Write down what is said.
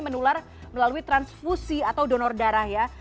menular melalui transfusi atau donor darah ya